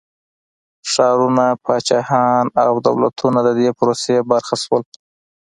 ښارونه، پاچاهيان او دولتونه د دې پروسې برخه شول.